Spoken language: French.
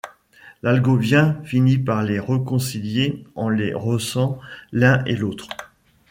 L'Allgovien finit par les réconcilier en les rossant l'un et l'autre.